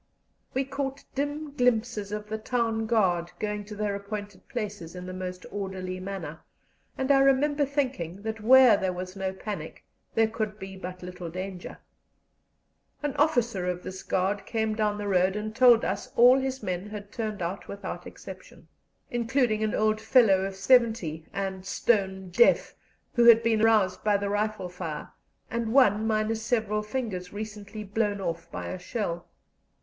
We caught dim glimpses of the town guard going to their appointed places in the most orderly manner, and I remember thinking that where there was no panic there could be but little danger. An officer of this guard came down the road and told us all his men had turned out without exception, including an old fellow of seventy, and stone deaf, who had been roused by the rifle fire, and one minus several fingers recently blown off by a shell.